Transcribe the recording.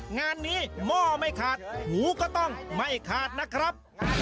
งานนี้หม้อไม่ขาดหูก็ต้องไม่ขาดนะครับ